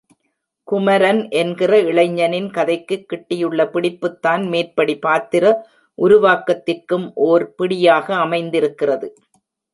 குமரன் என்கிற இளைஞனின் கதைக்குக் கிட்டியுள்ள பிடிப்புத்தான் மேற்படி பாத்திர உருவாக்கத்திற்கும் ஓர் பிடியாக அமைந்திருக்கிறது.